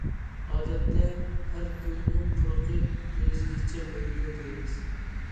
ئادەتتە، ھەر گۈلنىڭ پۇرىقى ئۆزگىچە بولىدۇ، دەيمىز.